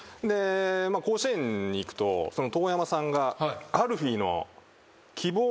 甲子園に行くと遠山さんが。